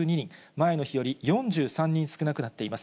前の日より４３人少なくなっています。